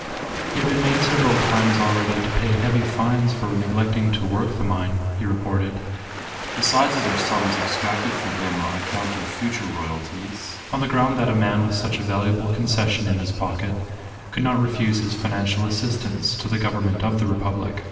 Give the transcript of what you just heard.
He had been made several times already to pay heavy fines for neglecting to work the mine, he reported, besides other sums extracted from him on account of future royalties, on the ground that a man with such a valuable concession in his pocket could not refuse his financial assistance to the Government of the Republic.